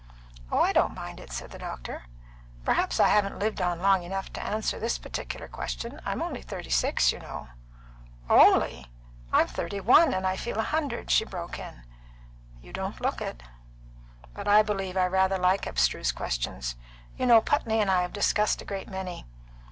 "Oh, I don't mind it," said the doctor. "Perhaps I haven't lived on long enough to answer this particular question; I'm only thirty six, you know." "Only? I'm thirty one, and I feel a hundred!" she broke in. "You don't look it. But I believe I rather like abstruse questions. You know Putney and I have discussed a great many.